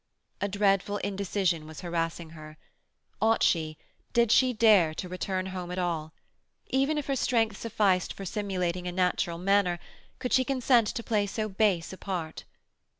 A dreadful indecision was harassing her. Ought she, did she dare, to return home at all? Even if her strength sufficed for simulating a natural manner, could she consent to play so base a part?